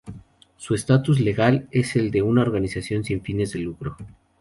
Su estatus legal es el de una Organización sin fines de lucro.